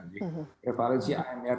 jadi prevalensi amr itu artinya jumlah